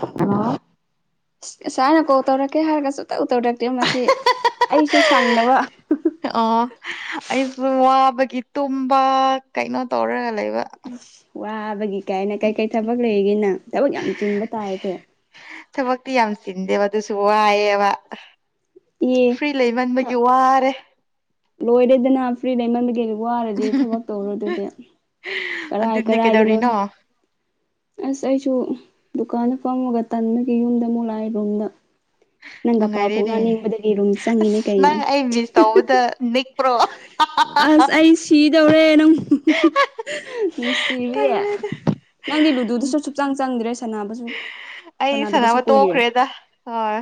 ꯑꯂꯣ ꯉꯁꯥꯏꯅ ꯀꯣꯜ ꯇꯧꯔꯛꯀꯦ ꯍꯥꯏꯔꯒꯁꯨꯇ ꯎ ꯇꯧꯔꯛꯇꯦ ꯃꯁꯤ ꯑꯩꯁꯨ ꯁꯪꯗꯕ ꯑꯣ ꯑꯩꯁꯨ ꯋꯥꯕꯒꯤ ꯇꯨꯝꯕ ꯀꯩꯅꯣ ꯇꯧꯔꯒ ꯂꯩꯕ ꯋꯥꯕꯒꯤ ꯀꯥꯏꯅ ꯀꯩ ꯀꯩ ꯊꯕꯛ ꯂꯩꯒꯦ ꯅꯪ ꯊꯕꯛ ꯌꯥꯝ ꯆꯤꯡꯕ ꯇꯥꯏꯁꯦ ꯊꯕꯛꯇꯤ ꯌꯥꯝ ꯆꯤꯟꯗꯦꯕ ꯑꯗꯨꯁꯨ ꯋꯥꯏꯑꯌꯦꯕ ꯑꯦ ꯐ꯭ꯔꯤ ꯂꯩꯃꯟꯕꯒꯤ ꯋꯥꯔꯦ ꯂꯣꯏꯔꯦꯗꯅ ꯍꯥ ꯐ꯭ꯔꯤ ꯂꯩꯃꯟꯒ ꯋꯥꯔꯗꯤ ꯊꯕꯛ ꯇꯧꯔ ꯑꯗꯨꯗꯤ ꯀꯔꯥꯏ ꯑꯗꯨꯅꯦ ꯀꯔꯥꯏꯗꯅꯣ ꯀꯩꯗꯧꯔꯤꯅꯣ ꯑꯁ ꯑꯩꯁꯨ ꯗꯨꯀꯥꯟꯗ ꯐꯝꯃꯒ ꯇꯟꯕꯒꯤ ꯌꯨꯝꯗ ꯑꯃꯨꯛ ꯂꯥꯛꯔꯣꯝꯗ ꯅꯪꯒ ꯄꯥꯎ ꯐꯥꯎꯅ ꯅꯨꯡꯉꯥꯏꯔꯦꯅꯦ ꯅꯤꯡꯕꯗꯒꯤ ꯔꯨꯝ ꯆꯪꯉꯤꯅꯦ ꯀꯩꯅꯣ ꯅꯤꯄ꯭ꯔꯣ ꯑꯁ ꯑꯩ ꯁꯤꯗꯧꯔꯦ ꯅꯪ ꯅꯨꯡꯁꯤꯔꯤꯌꯦ ꯇꯜꯂꯦꯗ ꯅꯪꯗꯤ ꯂꯨꯗꯨꯗꯨꯁꯨ ꯁꯛꯆꯥꯡ ꯆꯪꯗ꯭ꯔꯦ ꯁꯁꯨ ꯑꯩ ꯁꯥꯟꯅꯗꯕꯁꯨ ꯁꯥꯟꯅꯕ ꯀꯨꯏꯔꯦ ꯇꯣꯛꯈ꯭ꯔꯦꯗ ꯍꯣꯏ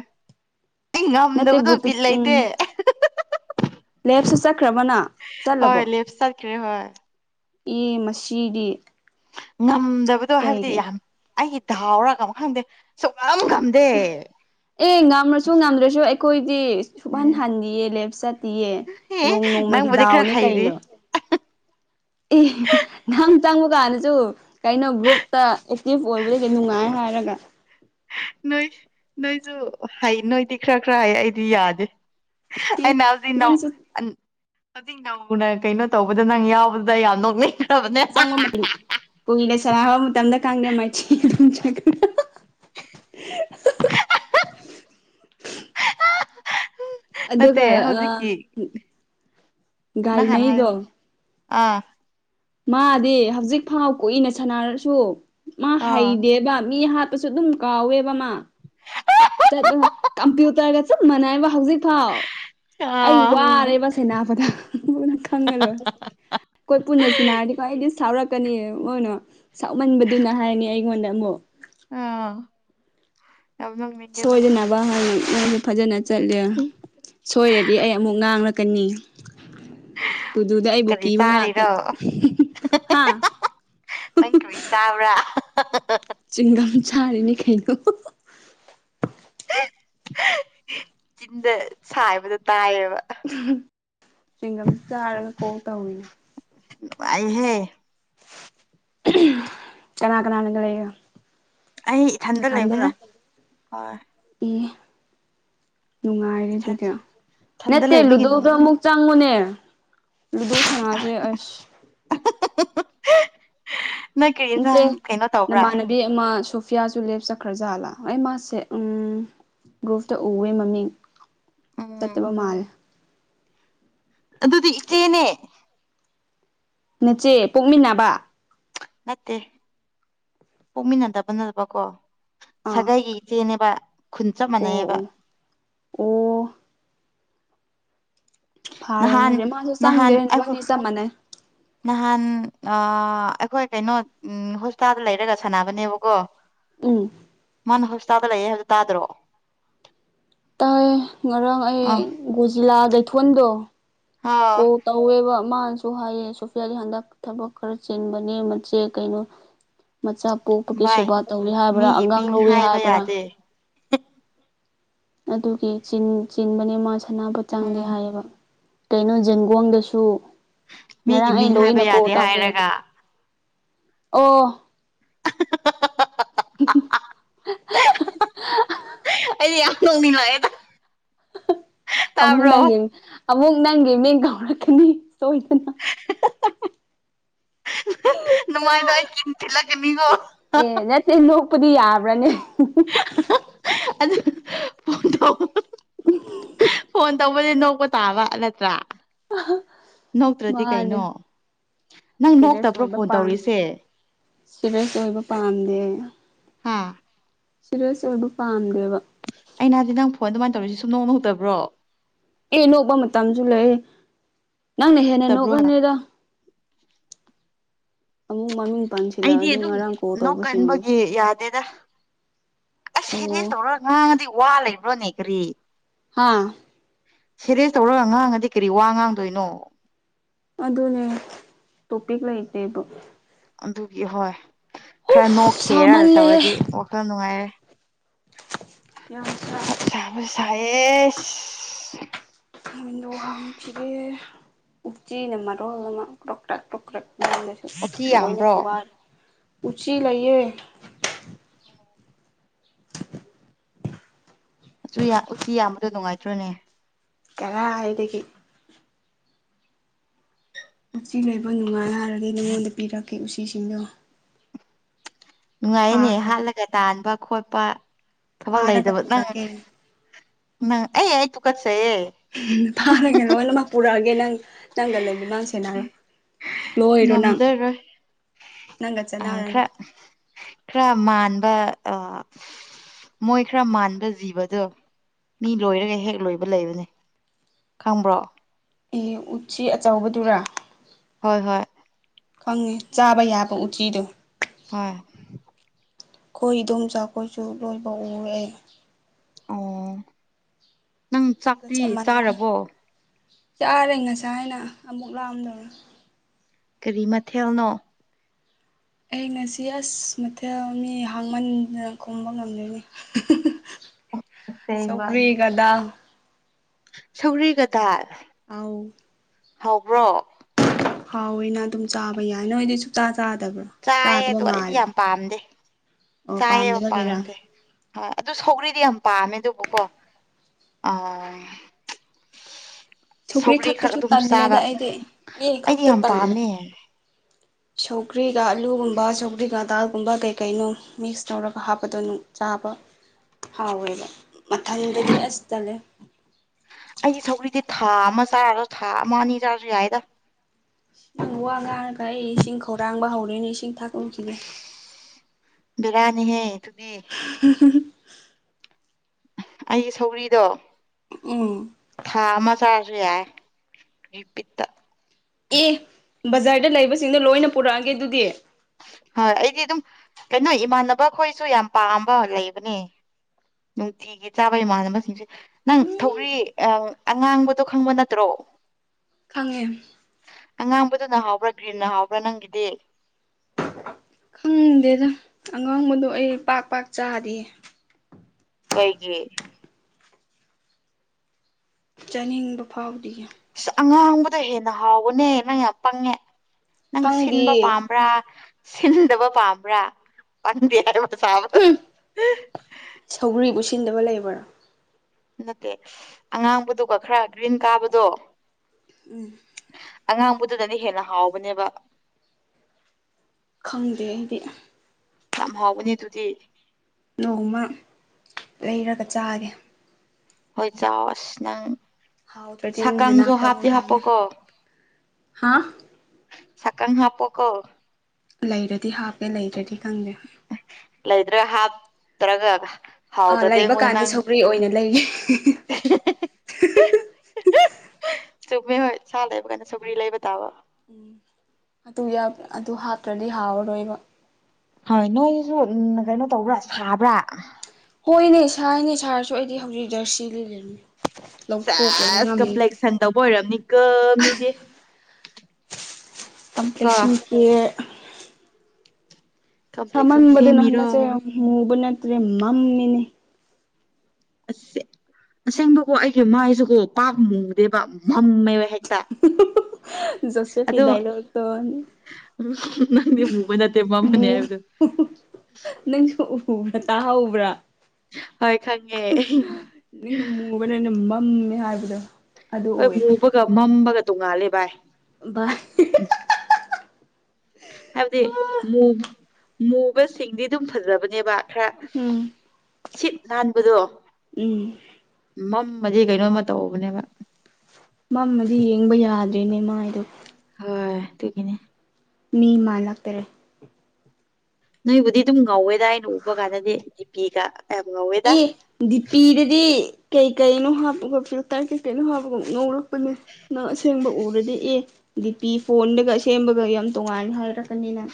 ꯑꯩ ꯉꯝꯗꯕꯗꯣ ꯅꯠꯇꯦ ꯭ꯔꯨꯞꯇ ꯕꯤꯠ ꯎꯝ ꯂꯩꯇꯦ ꯂꯦꯞ ꯆꯠꯈ꯭ꯔꯕꯅ ꯍꯣꯏ ꯆꯠꯂꯕꯣ ꯂꯦꯞ ꯆꯠꯈ꯭ꯔꯦ ꯍꯣꯏ ꯑꯦ ꯃꯁꯤꯗꯤ ꯉꯝꯗꯕꯗꯣ ꯍꯥꯏꯕꯗꯤ ꯀꯩꯒꯤ ꯌꯥꯝ ꯑꯩꯒꯤ ꯗꯥꯎꯔꯒ ꯑꯃꯛ ꯈꯪꯗꯦ ꯁ ꯑꯦ ꯉꯝꯃꯁꯨ ꯉꯝꯗ꯭ꯔꯁꯨ ꯑꯩꯈꯣꯏ ꯗꯤ ꯁꯨꯍꯟ ꯍꯟꯗꯤꯌꯦ ꯂꯦꯞ ꯆꯠꯇꯌꯦ ꯑꯦ ꯅꯣꯡ ꯅꯣꯡꯃꯒꯤ ꯅꯪꯕꯨꯗꯤ ꯈꯔ ꯗꯥꯎꯅꯤ ꯍꯩꯔꯤ ꯀꯩꯅꯣ [inaudible] ꯑꯦ ꯅꯪ ꯆꯪꯕ ꯀꯥꯟꯗꯁꯨ ꯀꯩꯅꯣ ꯒ꯭ꯔꯨꯞꯇ ꯑꯦꯛꯇꯤꯚ ꯑꯣꯏꯕꯗ ꯅꯨꯡꯉꯥꯏ ꯍꯥꯏꯔꯒ ꯅꯣꯏ ꯅꯣꯏꯁꯨ ꯍꯥꯏ ꯅꯣꯏꯗꯤ ꯈꯔ ꯈꯔ ꯍꯥꯏ ꯑꯩꯗꯤ ꯌꯥꯗꯦ ꯑꯦ ꯑꯩꯅꯗꯤ ꯏ ꯅꯎ ꯅꯪꯁꯨ ꯍꯧꯖꯤꯛ ꯅꯧꯅ ꯀꯩꯅꯣ ꯇꯧꯕꯗ ꯅꯪ ꯌꯥꯎꯕꯗꯨꯗ ꯌꯥꯝ ꯅꯣꯛꯃꯤ ꯆꯪꯕ ꯃꯇꯝ ꯀꯨꯏꯗ ꯁꯔꯕ ꯃꯇꯝꯗ ꯀꯥꯡꯅ ꯃꯤꯝ [inaudible] ꯅꯠꯇꯦ ꯍꯧꯖꯤꯛꯀꯤ ꯒꯥꯔꯤ ꯅꯍꯥꯟ ꯍꯥꯏ ꯃꯩꯗꯣ ꯑꯥ ꯃꯥꯗꯤ ꯍꯧꯖꯤꯛ ꯐꯥꯎ ꯀꯨꯏꯅ ꯁꯥꯟꯅꯔꯁꯨ ꯃꯥ ꯑꯥ ꯍꯩꯗꯦꯕ ꯃꯤ ꯍꯥ ꯀꯁꯨ ꯑꯗꯨꯝ ꯀꯥꯎꯋꯦꯕ ꯃꯥ ꯆꯠꯄ ꯀꯝꯄ꯭ꯌꯨꯇꯔꯒ ꯆꯞ ꯃꯅꯥꯏꯕ ꯍꯧꯖꯤꯛ ꯐꯥꯎ ꯑꯩ ꯑꯥ ꯋꯥꯔꯦꯕ ꯁꯦꯅꯥꯕꯗ ꯃꯣꯏꯅ ꯈꯪꯉꯔꯣꯏ ꯑꯩꯣꯏ ꯄꯨꯟꯅꯁꯨ ꯅꯥꯔꯗꯤꯀꯣ ꯑꯩ ꯂꯤꯥꯎꯔꯛ ꯀꯅꯤ ꯃꯣꯏꯅ ꯁꯥꯎꯃꯟꯕꯗꯨꯅ ꯍꯥꯏꯔꯅꯤ ꯑꯩꯉꯣꯟꯗ ꯑꯃꯨꯛ ꯑꯥ ꯌꯥꯝ ꯅꯣꯛꯅꯤꯡꯉꯦꯗ ꯁꯣꯏꯗꯅꯕ ꯍꯥꯏꯅ ꯑꯩꯁꯨ ꯐꯖꯅ ꯆꯠꯂꯦ ꯁꯣꯏꯔꯗꯤ ꯑꯩ ꯑꯃꯨꯛ ꯉꯥꯡꯅ ꯀꯅꯤ ꯇꯗꯨꯗ ꯑꯩꯕꯨ ꯀꯔꯤ ꯀꯕ ꯉꯥꯇ ꯆꯥꯔꯤꯔꯣ ꯍꯥꯥ ꯅꯪ ꯀꯆꯥꯥꯎ꯭ꯔꯥ ꯆꯤꯡꯒꯝ ꯁꯥꯔꯤꯅꯤ ꯀꯩꯅꯩꯅꯣ ꯆꯤꯟꯗ ꯁꯥꯏꯕꯗ ꯇꯥꯏꯌꯦꯕ ꯆꯤꯡꯒꯝ ꯆꯥꯔꯒ ꯀꯣꯛ ꯇꯧꯋꯤꯅꯦ ꯏꯍꯦ ꯆꯅꯥ ꯀꯅꯥꯅ ꯑꯩ ꯀꯦ ꯏꯊꯟꯇ ꯂꯩꯕꯅ ꯈꯟꯗꯔꯣ ꯍꯣꯏ ꯑꯦ ꯅꯨꯡꯉꯥꯏꯔꯦ ꯏꯊꯟ ꯑꯗꯨꯗꯤ ꯏꯊꯟꯗ ꯅꯠꯇꯦ ꯂꯩꯕꯒꯤ ꯅꯨꯡ ꯂꯨꯗꯣꯗꯣ ꯑꯃꯨꯛ ꯆꯪꯉꯨꯅꯦ ꯂꯗꯁ ꯃꯥꯁꯦ ꯑꯁ ꯅꯣꯏ ꯀꯔꯤ ꯏꯠꯇꯦ ꯏꯟꯁꯥꯡ ꯀꯩꯅꯣ ꯇꯧꯕ꯭ꯔꯥ ꯅꯃꯥꯟꯅꯕꯤ ꯑꯃ ꯁ ꯐꯤꯌꯥꯁꯨ ꯂꯦꯞꯆꯠꯈ꯭ꯔ ꯖꯥꯠꯂꯥ ꯑꯩ ꯃꯥꯁꯦ ꯎ ꯒ꯭ꯔꯨꯞꯇ ꯎꯋꯦ ꯃꯃꯤꯡ ꯎꯝ ꯆꯠꯇꯕ ꯃꯥꯜ ꯑꯗꯨꯗꯤ ꯏꯆꯦꯅꯦ ꯅꯆꯦ ꯄꯣꯛꯃꯤꯟꯅꯕ ꯅꯠꯇꯦ ꯄꯣꯛꯃꯤꯟꯅꯗꯕ ꯅꯅꯕꯀꯣ ꯑꯥ ꯁꯥꯒꯩꯒꯤ ꯏꯆꯦꯅꯦꯕ ꯈꯨꯟ ꯆꯞ ꯑꯣ ꯃꯥꯟꯅꯩꯕ ꯑꯣ ꯑꯣ ꯐꯥꯔꯦꯅꯦ ꯅꯍꯥꯟ ꯑꯗꯨꯗꯤ ꯃꯥꯁꯨ ꯅꯍꯥꯟ ꯆꯪꯗ꯭ꯔꯦ ꯅꯕꯥꯅꯤ ꯆꯞ ꯃꯥꯟꯅꯩ ꯅꯍꯥꯟ ꯑ ꯑꯩꯈꯣꯏ ꯀꯩꯅꯣ ꯎ ꯍꯣꯁꯄꯤꯇꯥꯜꯗ ꯂꯩꯔꯒ ꯁꯥꯟꯅꯕꯅꯦꯕꯀꯣ ꯇꯨꯡ ꯇꯥꯗ ꯂꯩꯛꯑꯦ ꯍꯧꯖꯤꯛ ꯇꯥꯗ꯭ꯔꯣ ꯇꯥꯏ ꯉꯔꯥꯡ ꯑꯩ ꯑꯥ ꯒꯣꯖꯤꯂꯥꯗꯩꯊꯣꯟꯗꯣ ꯀꯣ ꯑꯥ ꯀꯧꯕ ꯃꯥꯅꯁꯨ ꯍꯥꯏꯌꯦ ꯁꯣꯐꯤꯌꯥꯗꯤ ꯍꯟꯗꯛ ꯊꯕꯛ ꯈꯔ ꯆꯤꯟꯕꯅꯦ ꯃꯦ ꯀꯩꯅꯣ ꯃꯆꯥ ꯄꯣꯛꯄꯒꯤ ꯚꯥꯏ ꯁꯦꯕꯥ ꯇꯧꯋꯤ ꯍꯥꯏꯕ꯭ꯔꯥ ꯃꯤꯒꯤ ꯑꯉꯥꯡ ꯃꯤꯡ ꯂꯧꯏꯤ ꯍꯥꯏꯕ ꯍꯥꯏꯕ꯭ꯔꯥ ꯌꯥꯗꯦ ꯑꯗꯨꯒꯤ ꯆꯤꯟꯕꯅꯦ ꯃꯥ ꯁꯅꯥꯕꯨ ꯆꯪꯗꯦ ꯎꯝ ꯍꯥꯏꯌꯦꯕ ꯀꯩꯅꯣ ꯖꯦꯟꯒꯣꯡꯗꯁꯨ ꯃꯤꯒꯤ ꯉꯔꯥꯡ ꯑꯩ ꯃꯤꯡ ꯍꯥꯏꯕ ꯂꯣꯏꯅ ꯀꯣꯜ ꯌꯥꯗꯦ ꯇꯧꯋꯦ ꯍꯥꯏꯔꯒ ꯑꯣ ꯑ ꯌꯥꯝ ꯇꯅꯤꯂꯗ ꯑꯃꯨꯛ ꯅꯪꯒꯦ ꯑꯃꯨꯛ ꯅꯪꯒꯤꯦ ꯃꯤ ꯀꯥꯎꯔꯛꯀꯅꯤ ꯁ ꯏꯗꯅ ꯅꯨꯡꯃꯥꯏꯗ ꯑꯩ ꯆꯤꯟ ꯊꯤꯜꯂꯒꯅꯤꯀꯣ ꯄꯄꯗꯤ ꯌꯥꯕ꯭ꯔꯅꯤ ꯑ ꯐ ꯇ ꯐꯣꯟ ꯇ ꯗꯤ ꯅꯣꯛꯄ ꯇꯥꯕ ꯅꯠꯇ꯭ꯔꯥ ꯅꯣꯛꯇ꯭ꯔꯗꯤ ꯃꯥꯅꯦ ꯀꯩꯅꯣ ꯅꯪ ꯅꯣꯛꯇꯕ꯭ꯔꯣ ꯐꯣꯟ ꯇꯧꯔꯤꯁꯦ ꯁꯤꯦꯔꯤꯌꯁ ꯑꯣꯏꯕ ꯄꯥꯝꯗꯦ ꯍꯥꯥ ꯁꯤꯔꯁ ꯑꯣꯏꯕꯨ ꯄꯥꯝ ꯑ ꯅꯍ ꯍꯥꯏꯖꯤꯗꯤ ꯅꯪ ꯐꯣꯟ ꯑꯗꯨꯃꯥꯏꯅ ꯇꯧꯔꯤꯁꯤ ꯁꯨꯝ ꯅꯣꯡꯃ ꯍꯧꯨꯛꯇꯕ꯭ꯔꯣ ꯑꯦ ꯅꯣꯛꯄ ꯃꯇꯝꯁꯨ ꯂꯩ ꯅꯪꯅ ꯍꯦꯟꯅ ꯇꯕ꯭ꯔꯣ ꯍꯥꯏꯕ? ꯅꯣꯛꯒꯅꯤꯗ ꯑꯃꯨꯛ ꯃꯃꯤꯡ ꯑꯩꯗꯤ ꯄꯥꯟꯁꯤꯜꯂꯛꯑꯗꯤ ꯑꯗꯨꯝ ꯉꯔꯥꯡ ꯀꯣ ꯇꯧꯕꯁꯤꯡꯗꯨ ꯅꯣꯛꯀꯟꯕꯒꯤ ꯌꯥꯗꯦꯗ ꯑꯁ ꯍꯅꯦꯁ ꯇꯧꯔꯒ ꯉꯥꯡꯉꯗꯤ ꯋꯥ ꯂꯩꯕ꯭ꯔꯣꯅꯦ ꯀꯔꯤ ꯍꯥꯥ ꯁꯦꯔꯦꯁ ꯇꯧꯔꯒ ꯉꯥꯡꯉꯗꯤ ꯀꯔꯤ ꯋꯥ ꯉꯥꯡꯗꯣꯏꯅꯣ ꯑꯗꯨ ꯑꯗꯨꯅꯦ ꯇꯣꯄꯤꯛ ꯂ ꯂꯩꯇꯦ ꯏꯕ ꯑꯗꯨꯒꯤ ꯍꯣꯏ ꯈꯔ ꯎꯐ ꯅꯣꯛꯈꯤꯦꯔꯅ ꯁꯥꯃꯜꯂꯦꯍꯦ ꯇꯧꯔꯗꯤ ꯋꯥꯈꯜ ꯅꯨꯡꯉꯥꯏꯔꯦ ꯌꯥ ꯁꯥ ꯁꯦ ꯅꯣꯏꯗꯣ ꯍꯥꯡꯈꯤꯒꯦ ꯎꯆꯤꯅ ꯃꯔꯣꯜ ꯑꯃ ꯀ꯭ꯔꯣꯛ ꯀ꯭ꯔꯛ ꯀ꯭ꯔꯣꯛ ꯀ꯭ꯔꯛ ꯃꯁꯨ ꯑꯣꯊꯤ ꯂꯒꯥꯏꯅ ꯌꯥꯝꯕ꯭ꯔꯣ ꯊꯕ ꯎ ꯎꯆ ꯂꯌꯦ ꯎꯆꯤ ꯌꯥꯝꯕꯗꯣ ꯅꯨꯡꯉꯥꯏꯇ꯭ꯔꯣꯅꯦ ꯀꯦꯔ ꯍꯥꯏꯥꯏꯗꯤꯗꯒꯤ ꯉ ꯂꯩꯕ ꯅꯨꯡꯉꯥꯏꯅꯔꯒꯗꯤ ꯅꯉꯣꯟꯗ ꯄꯤꯔꯛꯀꯦ ꯎꯆꯤꯁꯤꯡꯗꯣ ꯅꯨꯡꯉꯥꯏꯅꯦ ꯐꯥꯔꯒ ꯍꯥꯠꯂꯒ ꯇꯥꯟꯕ ꯈꯣꯠꯄ ꯊꯕꯛ ꯐꯥꯔꯒ ꯂꯩꯗꯕ ꯄꯨꯔꯛꯀꯦ ꯅꯪ ꯑꯩ ꯌꯥ ꯇꯨ ꯀ ꯐꯥꯔꯒ ꯂꯣꯏꯅꯃꯛ ꯄꯨꯔꯛꯑꯒꯦ ꯅꯪ ꯅꯪꯒ ꯂꯩꯃꯤꯟꯅꯁꯦꯅꯔꯣ ꯉꯝꯖꯔꯣꯏ ꯅꯪꯒ ꯆꯅꯔꯥꯏꯅꯤ ꯈꯔ ꯈꯔ ꯃꯥꯟꯕ ꯑ ꯃꯣꯏ ꯈꯔ ꯃꯥꯟꯕ ꯖꯤꯕꯗꯣ ꯃꯤ ꯂꯣꯏꯔꯒ ꯍꯦꯛ ꯂꯣꯏꯕ ꯂꯩꯕꯅꯤ ꯈꯪꯕ꯭ꯔꯣ ꯑꯦ ꯎꯆ ꯎꯆꯤ ꯑꯆꯕꯗꯨꯔ ꯍꯣꯏ ꯍꯣꯏ ꯈꯪꯉꯦ ꯆꯥꯕ ꯌꯥꯕ ꯎꯆ ꯎꯆꯤꯗꯣ ꯍꯣꯏ ꯈꯣꯏ ꯏꯗꯣꯝ ꯆꯥꯛꯈꯣꯏꯁꯨ ꯂꯣꯏꯕ ꯎꯔꯦ ꯑꯣ ꯅꯪ ꯎꯆꯤꯒ ꯆꯥꯛꯇꯤ ꯆꯞ ꯃꯥꯟꯅꯩꯗ ꯆꯥꯔꯕꯣ ꯆꯥꯔꯦ ꯉꯁꯥꯏ ꯍꯥꯏꯅ ꯑꯃꯨꯛ ꯂꯥꯛꯑꯝꯗꯧꯅ ꯀꯔꯤ ꯃꯊꯦꯜꯅꯣ ꯑꯩ ꯉꯁꯤ ꯑꯁ ꯃꯊꯦꯜ ꯃꯤ ꯍꯥꯡꯃꯟ ꯈꯣꯕ ꯉꯝꯗꯣꯏꯅꯤ ꯁꯧꯒꯔꯤꯒꯗꯥ ꯁꯧꯔꯤꯒꯗ ꯑꯥꯎ ꯍꯕ꯭ꯔꯣ ꯍꯥꯎꯋꯦꯅ ꯑꯗꯨꯝ ꯆꯥꯕ ꯌꯥꯏ ꯅꯣꯏꯗꯤꯩꯁꯨ ꯆꯥꯏ ꯑꯗꯨꯣ ꯑꯩꯗꯤ ꯌꯥꯝ ꯄꯥꯝꯗꯦ ꯑꯣ ꯆꯥꯏ ꯄꯥꯝꯗꯕꯒꯤꯔꯥ ꯄꯥꯝꯗꯦ ꯍꯣꯏ ꯑꯗꯨ ꯁꯧꯒ꯭ꯔꯤꯗꯤ ꯌꯥꯝ ꯄꯥꯝꯃꯦ ꯑꯗꯨꯕꯨꯀꯣ ꯑ [unintelligible] ꯁꯧꯒ꯭ꯔꯤ ꯈꯛ ꯈꯛꯇꯁꯨ ꯑꯗꯨꯝ ꯆꯥꯕ ꯇꯜꯂꯦꯗ ꯑꯩꯗꯤ ꯌꯦꯟ ꯑꯩꯗꯤ ꯌꯥꯝ ꯄꯥꯝꯃꯦ ꯁꯧꯀꯔꯤ ꯀ ꯑꯜꯂꯨꯒꯨꯝꯕꯥ ꯁꯧꯀꯔꯤ ꯀ ꯇ ꯒꯨꯝꯕ ꯀꯩꯀꯩꯅꯣ ꯃꯤꯛꯁ ꯇꯧꯔꯒ ꯍꯥꯞꯄꯗꯣ ꯅꯨꯡ ꯆꯥꯕ ꯍꯥꯎꯋꯦꯕ ꯃꯊꯟꯗꯗꯤ ꯑꯁ ꯇꯂꯦ ꯑꯩꯒꯤ ꯁꯧ꯭ꯔꯤꯗꯤ ꯊꯥ ꯑꯃ ꯆꯥꯔꯁꯨ ꯊꯥ ꯑꯃ ꯑꯅꯤ ꯆꯥꯔꯁꯨ ꯌꯥꯏꯗ ꯅꯪ ꯋꯥ ꯉꯥꯡꯔꯒ ꯑꯩ ꯏꯁꯤꯡ ꯈꯧꯔꯥꯡꯕ ꯍꯧꯔꯦꯅꯦ ꯏꯁꯤꯡ ꯊꯥꯛꯂꯈꯤꯒꯦ ꯕꯤꯔꯌꯥꯅꯤ ꯍꯦ ꯇꯨꯗꯤ ꯑꯩꯒꯤ ꯁꯧꯔꯤꯗꯣ ꯎꯝ ꯊꯥ ꯑꯃ ꯆꯥꯏ ꯀꯄꯤꯠꯇ ꯑꯦ ꯕꯖꯥꯔꯗ ꯂꯩꯕꯁꯤꯡꯅ ꯂꯣꯏꯅ ꯄꯨꯔꯛꯑꯒꯦ ꯑꯗꯨꯗꯤ ꯍꯣꯏ ꯑꯩꯗꯤ ꯑꯗꯨꯝ ꯀꯩꯅꯣ ꯏꯃꯥꯟꯅꯕ ꯈꯣꯏꯁꯨ ꯌꯥꯝ ꯄꯥꯝꯕ ꯂꯩꯕꯅꯦ ꯅꯨꯡꯇꯤꯒꯤ ꯆꯥꯕ ꯏꯃꯥꯟꯅꯕꯁꯤꯡꯁꯦ ꯅꯪ ꯊꯧꯔꯤ ꯑꯉꯥꯡꯕꯗꯣ ꯈꯪꯕ ꯅꯠꯇ꯭ꯔꯣ [unintelligible] ꯈꯪꯉꯦ ꯑꯉꯥꯡꯕꯗꯨꯅ ꯍꯥꯎꯕ꯭ꯔꯥ ꯒ꯭ꯔꯤꯟꯟꯅ ꯍꯥꯎꯕ꯭ꯔꯥ ꯅꯪꯒꯤꯗꯤ ꯈꯪꯗꯦꯗ ꯑꯉꯥꯡꯕꯗꯣ ꯑꯩ ꯄꯥꯛ ꯄꯥꯛ ꯆꯥꯗꯤꯌꯦ ꯀꯩꯒꯤ ꯆꯥꯅꯤꯡꯕ ꯐꯥꯎꯗꯤ ꯑꯉꯥꯡꯕꯗꯣ ꯍꯦꯟꯅ ꯍꯥꯎꯕꯅꯦ ꯅꯪ ꯌꯥꯝ ꯄꯪꯉꯦ ꯅꯪ ꯁꯤꯟꯕ ꯈꯪꯗꯤꯌꯦ ꯄꯥꯝꯕ꯭ꯔꯥ ꯁꯤꯟꯗꯕ ꯄꯥꯝꯕ꯭ꯔꯥ ꯄꯪꯗꯦ ꯍꯥꯏꯕꯗ ꯆꯥꯕꯗꯣ ꯍꯨꯝ ꯆꯤꯟꯗꯕ ꯂ ꯂꯩꯕꯣ ꯅꯠꯇꯦ ꯑꯉꯥꯡꯕꯗꯨꯒ ꯈꯔ ꯒ꯭ꯔꯤꯟ ꯀꯥꯕꯗꯣ ꯎꯝ ꯑꯉꯥꯡꯕꯨꯗꯨꯅꯅꯦ ꯍꯦꯟꯅ ꯍꯥꯎꯕꯅꯦꯕ ꯈꯪꯗꯦ ꯑꯩꯗꯤ ꯌꯥꯝ ꯍꯥꯎꯕꯅꯤ ꯑꯗꯨꯗꯤ ꯅꯣꯡꯃ ꯂꯩꯔꯒ ꯆꯥꯒꯦ ꯍꯣꯏ ꯆꯥꯎ ꯑꯁ ꯅꯪ ꯍꯥꯎꯇꯔ꯭ꯗꯤ ꯅꯪꯒꯤ ꯁꯛꯀꯪꯁꯨ ꯅꯥꯛꯇ ꯑꯃꯨꯛ ꯍꯥꯞꯇꯤ ꯂꯥꯛꯀꯅꯤ ꯍꯥꯞꯄꯣꯀꯣ ꯍꯥ ꯁꯀꯪ ꯍꯥꯥ ꯄꯣꯀꯣ ꯂꯩꯔꯗꯤ ꯍꯥꯞꯄꯦ ꯂꯩꯗ꯭ꯔꯗꯤ ꯈꯪꯗꯦ ꯂꯩꯗ꯭ꯔꯒ ꯍꯥꯞꯇ꯭ꯔꯒ ꯑꯥ ꯍꯥꯎꯗꯗꯔ꯭ꯤ ꯂꯩꯕ ꯉꯣꯏ ꯀꯥꯟꯗ ꯅꯪ ꯁꯧꯒ꯭ꯔꯤ ꯑꯣꯏꯅ ꯂꯩꯒꯦ ꯆꯨꯝꯃꯦ ꯍꯣꯏ ꯁꯥ ꯂꯩꯕ ꯀꯥꯏꯅ ꯁꯧꯒꯔ꯭ꯤ ꯂꯩꯕ ꯇꯥꯕ ꯑꯗꯨ ꯌꯥꯎ ꯑꯗꯨ ꯍꯥꯞꯇ꯭ꯔꯗꯤ ꯍꯥꯥꯎꯔꯔꯣꯏꯕ ꯍꯣꯏ ꯅꯣꯏꯁꯨ ꯎ ꯀꯩꯅꯣ ꯇꯧꯕ꯭ꯔꯥ ꯁꯥꯕ꯭ꯔ ꯍꯣꯏꯅꯦ ꯁꯥꯥꯏꯅꯦ ꯁꯥꯔꯁꯨ ꯑꯩꯗꯤ ꯍꯧꯖꯤꯛ ꯖꯔꯁꯤ ꯂꯤꯠꯂꯤꯅꯤ ꯂꯧꯊꯣꯛꯄꯗꯤ ꯁꯦꯁ ꯉꯝꯃꯤ ꯀꯝꯄ꯭ꯂꯦꯛꯁꯟ ꯇꯧꯕ ꯑꯣꯏꯔꯝꯅꯤꯀꯣ ꯃꯤꯗꯤ ꯀꯣ [unintelligible] ꯀꯝꯄ꯭ꯂꯦꯛꯁꯟ ꯁꯥꯃꯟꯕꯗꯨꯅ ꯍꯟꯗꯛꯁꯦ ꯁꯦꯝꯃꯤꯔꯣ ꯃꯨꯕ ꯅꯠꯇ꯭ꯔꯦ ꯃꯝꯃꯦꯅꯦ ꯑꯁꯦ ꯑꯁꯦꯡꯕꯀꯣ ꯑꯩꯒꯤ ꯃꯥꯏꯁꯨꯀꯣ ꯄꯥꯛ ꯃꯨꯗꯦꯕ ꯃꯝꯃꯦꯕ ꯍꯦꯛꯇ ꯖꯣꯁꯦꯞꯀꯤ ꯑꯗꯣ ꯗꯥꯥꯏꯂꯣꯛꯇꯣ ꯅꯪꯗꯤ ꯃꯨꯕ ꯅꯠꯇꯦ ꯃꯨ ꯃꯝꯕꯅꯦ ꯍꯥꯌꯕꯗꯨ ꯅꯪꯁꯨ ꯎꯕ꯭ꯔ ꯍꯣꯏ ꯈꯪꯉꯦ ꯅꯪ ꯃꯨꯕꯅ ꯅꯪ ꯃꯝꯃꯦ ꯍꯥꯏꯕꯗꯣ ꯑꯗꯨ ꯍꯣꯏ ꯑꯣꯏꯔꯦ ꯃꯨꯕꯒ ꯃꯝꯕꯒ ꯇꯣꯡꯉꯥꯜꯂꯦ ꯚꯥꯏ ꯎꯝ [inaudible] ꯍꯥꯏꯕꯗꯤ ꯃꯨ ꯃꯨꯕꯁꯤꯡꯗꯤ ꯑꯗꯨꯝ ꯐꯖꯕꯅꯦꯕ ꯈꯔ ꯎꯝ ꯁꯤꯠ ꯅꯥꯟꯕꯗꯣ ꯎꯝ ꯃꯗꯤ ꯀꯩꯅꯣꯝꯃ ꯇꯧꯕꯅꯦꯕ ꯃꯝꯃꯗꯤ ꯌꯦꯡꯕ ꯌꯥꯗ꯭ꯔꯦꯅꯦ ꯃꯥꯏꯗꯣ ꯍꯣꯢ ꯇꯨꯒꯤꯅꯤ ꯃꯤ ꯃꯥꯜꯂꯛꯇꯔꯦ ꯅꯣꯏꯕꯨꯗꯤ ꯑꯗꯨꯝ ꯉꯧꯋꯦꯗ ꯑꯩꯅ ꯎꯕ ꯀꯥꯟꯗꯗꯤ ꯗꯤꯄꯤꯒ ꯌꯥꯝ ꯉꯧꯋꯦꯗ ꯑꯦ ꯗꯤ ꯄꯤꯗꯗꯤ ꯀꯩ ꯀꯩꯅꯣ ꯍꯥꯞꯄꯒ ꯐ꯭ꯂꯤꯇꯔ ꯀꯩꯀꯩꯅꯣ ꯍꯥꯞꯄꯒ ꯅꯧꯔꯛꯄꯅꯦ ꯅꯪ ꯑꯁꯦꯡꯕ ꯎꯔꯗꯤ ꯑꯦ ꯗꯤ ꯄꯤ ꯐꯣꯟꯗꯒ ꯁꯦꯝꯕꯒ ꯌꯥꯝ ꯇꯣꯡꯉꯥꯟꯅ ꯍꯥꯏꯔꯛꯀꯅꯤ ꯅꯪ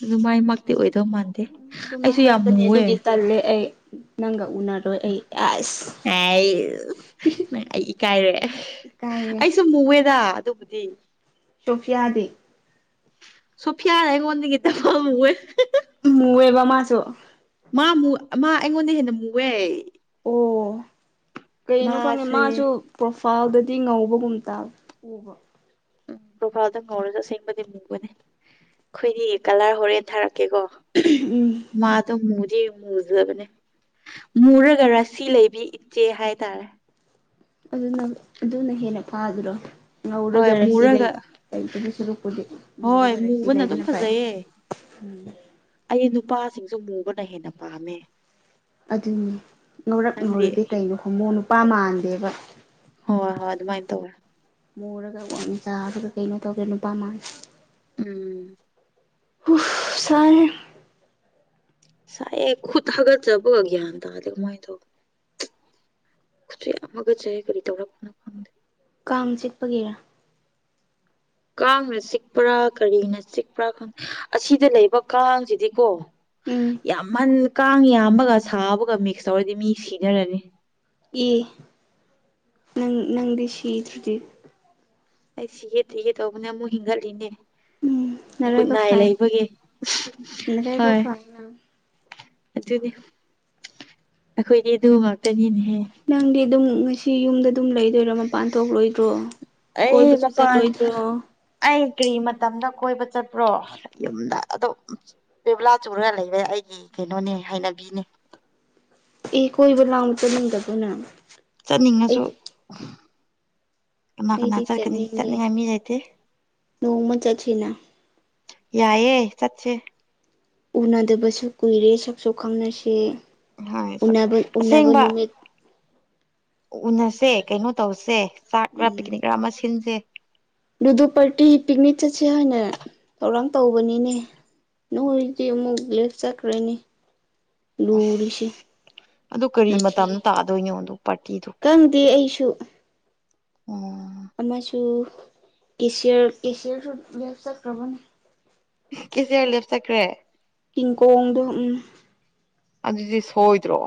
ꯑꯗꯨ ꯃꯥꯏꯃꯛꯇꯤ ꯑꯣꯏꯗꯧ ꯃꯥꯟꯗꯦ ꯑꯗꯨꯃꯥꯏ ꯑꯩꯁꯨ ꯌꯥꯝ ꯍꯥꯏꯔꯛꯀꯅꯤ ꯃꯨꯋꯦ ꯑꯗꯨꯒꯤ ꯇꯜꯂꯦ ꯑꯩ ꯅꯪꯒ ꯎꯅꯔꯣꯏ ꯑꯩ ꯑꯁ ꯑ [unintelligible] ꯀꯥꯏꯔꯦ ꯏꯀꯥꯏꯔꯦ ꯑꯩꯁꯨ ꯃꯨꯋꯦꯗ ꯑꯗꯨꯕꯨꯗꯤ ꯁꯣꯐꯤꯌꯥꯗꯤ ꯁꯣꯐꯤꯌꯥꯅ ꯑꯩꯉꯣꯟꯗꯒꯤ ꯗꯝꯃꯥ ꯃꯨꯋꯦ [unintelligible] ꯃꯨꯋꯦꯕ ꯃꯥꯁꯨ ꯃꯥ ꯃꯨ ꯃꯥ ꯑꯩꯉꯣꯟꯗ ꯍꯦꯟꯅ ꯃꯨꯋꯦ ꯑꯣ ꯀꯩꯅꯣ ꯈꯪꯗꯦ ꯃꯥꯁꯦ ꯃꯥꯁꯨ ꯄ꯭ꯔꯣꯐꯥꯜꯗꯗꯤ ꯉꯧꯕꯒꯨꯝꯇ ꯇꯥꯕ ꯎꯕ ꯎꯝ ꯄ꯭ꯔꯣꯐꯥꯏꯜꯗ ꯉꯧꯔꯁꯨ ꯑꯁꯦꯡꯕꯗꯤ ꯃꯨꯕꯅꯤ ꯑꯩꯈꯣꯏꯗꯤ ꯀꯂꯔ ꯍꯣꯔꯦꯟ ꯊꯥꯔꯛꯄ ꯀꯦꯀꯣ ꯃꯥꯗꯣ ꯃꯨꯗꯤ ꯃꯨꯖꯕꯅꯦ ꯃꯨꯔꯒ ꯔꯥꯁꯤ ꯂꯩꯕꯤ ꯏꯆꯦ ꯍꯥꯏꯇꯥꯔꯦ ꯑꯗꯨꯅ ꯑꯗꯨꯅ ꯍꯦꯟꯅ ꯐꯥꯗꯔꯣ ꯍꯣꯏ ꯉꯧꯔꯒꯔ ꯔꯁꯤ ꯂꯩ ꯃꯨꯔꯒ ꯂꯩꯇꯕꯨ ꯁꯔꯨꯛꯄꯨꯗꯤ ꯍꯣꯏ ꯉꯧꯔꯒꯔꯁꯤ ꯃꯨꯕꯅ ꯑꯗꯨꯝ ꯂꯩꯕꯅ ꯐꯩ ꯐꯖꯩꯌꯦ ꯑꯩ ꯅꯨꯄꯥꯁꯤꯡꯁꯨ ꯃꯨꯕꯅ ꯍꯦꯟꯅ ꯄꯥꯝꯃꯦ ꯑꯗꯨꯅꯤ ꯉꯧꯔꯛ ꯅꯪꯗꯤ ꯉꯧꯔꯗꯤ ꯀꯩꯅꯣ ꯍꯣꯃꯣ ꯅꯨꯄꯥ ꯃꯥꯟꯗꯦꯕ ꯍꯣꯏ ꯍꯣꯏ ꯍꯣꯏ ꯑꯗꯨꯃꯥꯏꯅ ꯇꯧꯋꯦ ꯃꯨꯔꯒ ꯋꯥꯛꯡꯆꯥꯎꯔꯒ ꯀꯩꯅꯣ ꯇꯧꯒꯦ ꯅꯨꯄꯥ ꯃꯥꯟ ꯎꯝ ꯍꯨ ꯁꯥꯢꯌꯦ ꯁꯥꯏꯌꯦ ꯈꯨꯠ ꯍꯒꯆꯕꯒ ꯒ꯭ꯌꯥꯥꯟ ꯇꯗꯤ ꯀꯃꯥꯏꯗꯣ ꯈꯨꯠꯁꯨ ꯌꯥꯝ ꯍꯒꯠꯆꯩꯌꯦ ꯀꯃꯥꯢꯇꯧꯕ ꯀꯥꯡ ꯆꯤꯛꯄꯒꯤꯔꯥ ꯀꯥꯡꯅ ꯆꯤꯛꯄ꯭ꯔꯥ ꯀꯔꯤꯅ ꯆꯤꯛꯄ꯭ꯔꯥ ꯈꯪꯗꯦ ꯑꯁꯤꯗ ꯂꯩꯕ ꯀꯥꯡꯁꯤꯗꯤꯀꯣ ꯎꯝ ꯌꯥꯝꯃꯟ ꯀꯥꯡ ꯌꯥꯝꯕꯒ ꯁꯥꯕꯒ ꯃꯤꯛꯁ ꯇꯧꯔꯗꯤ ꯃꯤ ꯁꯤꯟꯅꯔꯅꯤ ꯑꯦ ꯅꯪ ꯅꯪꯗꯤ ꯁꯤꯗ꯭ꯔꯗꯤ ꯑꯩ ꯁꯤꯒꯦ ꯇꯒꯦ ꯇꯧꯕꯅꯦ ꯑꯃꯨꯛ ꯍꯦꯟꯒꯠꯂꯤꯅꯦ ꯎꯝ ꯒꯨꯠ ꯅꯔꯥꯏꯕꯛ ꯅꯥꯏ ꯐꯩ ꯂꯩꯕꯒꯤ ꯅꯔꯥꯏꯕꯛ ꯍꯣꯏ ꯐꯩ ꯅꯪ ꯑꯗꯨꯗꯤ ꯑꯩꯈꯣꯏꯗꯤ ꯑꯗꯨ ꯉꯥꯛꯇꯅꯤꯅꯦꯍꯦ ꯅꯪꯗꯤ ꯑꯗꯨꯝ ꯉꯁꯤ ꯌꯨꯝꯗ ꯑꯗꯨꯝ ꯂꯩꯗꯣꯏꯔ ꯃꯄꯥꯟ ꯊꯣꯛꯂꯣꯏꯗ꯭ꯔꯣ ꯑꯩ ꯀꯣꯏꯕꯁꯨ ꯃꯄꯥꯟ ꯆꯠꯂꯣꯏꯗ꯭ꯔꯣ ꯑꯩ ꯀ꯭ꯔꯤ ꯃꯇꯝꯗ ꯀꯣꯏꯕ ꯆꯠꯄ꯭ꯔꯣ ꯌꯨꯝꯗ ꯑꯗꯨꯝ ꯦꯕꯂꯥ ꯆꯨꯔꯒ ꯂꯩꯔꯦ ꯑꯩꯒꯤ ꯀꯩꯅꯣꯅꯦ ꯍꯥꯏꯅꯒꯦ ꯅ [unintelligible] ꯀꯣꯏ ꯂꯃꯇ ꯅꯗ ꯄꯨ ꯅꯡ ꯆꯠꯅꯤꯡꯉꯁꯨ ꯃꯥꯀ ꯑꯩꯗꯤ ꯅꯅꯥꯆꯔ ꯀꯅꯤ ꯏ ꯆꯠꯅꯤꯡꯉꯦ ꯆꯠꯅꯤꯉꯃꯤ ꯂꯩꯇꯦ ꯅꯣꯡꯃ ꯆꯠꯁꯤꯅ ꯌꯥꯏꯑꯦ ꯆꯠꯁꯦ ꯎꯅꯗꯕꯁꯨ ꯀꯨꯏꯔꯦ ꯁꯛ ꯁꯣꯛ ꯈꯪꯅꯁꯦ ꯍꯣꯏ ꯎꯕꯨ ꯑꯁꯦꯡꯕ ꯅꯨꯃꯤꯠ ꯎꯅꯁꯦ ꯀꯩꯅꯣ ꯇꯧꯁꯦ ꯆꯥꯛ ꯈꯔ ꯄꯤꯛꯅꯤꯛ ꯈꯔ ꯑꯃ ꯁꯤꯟꯁꯦ ꯗꯨ ꯄꯥꯔꯇꯤ ꯄꯤꯛꯅꯤꯛ ꯆꯠꯁꯦ ꯍꯥꯏꯅ ꯊꯧꯔꯥꯡ ꯇꯧꯕꯅꯤꯅꯦ ꯅꯣꯡꯔꯤꯗꯤ ꯑꯃ ꯃꯨꯛ ꯂꯩꯦ ꯆꯀꯔꯤꯅꯤ ꯂꯨꯔꯤꯁꯤ ꯑꯁ ꯑꯗꯨ ꯀꯔꯤ ꯃꯇꯝꯗ ꯇꯥꯗꯣꯏꯅꯣ ꯑꯗꯨ ꯄꯥꯔꯇꯤꯗꯨ ꯈꯪꯗꯦ ꯑꯩꯁꯨ ꯑꯣ ꯑꯃꯁꯨ ꯀꯁꯤ ꯀꯁꯤꯌꯁꯨꯁ꯭ꯔꯅꯦ ꯆꯠꯈꯔ꯭ꯕꯅꯤ ꯀꯦ ꯁꯤꯌꯥꯔ ꯂꯦꯞ ꯆꯈ꯭ꯔꯦ ꯇꯪꯀꯣꯡꯗ ꯎꯝ ꯑꯗꯨꯗꯤꯁ ꯍꯣꯏꯗ꯭ꯔꯣ